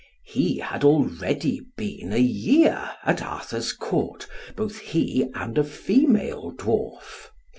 He had already been a year at Arthur's Court, both he and a female dwarf.